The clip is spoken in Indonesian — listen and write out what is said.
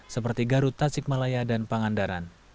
seperti garut tasikmalaya dan pangandaran